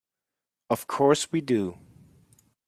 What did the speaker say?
Of course we do.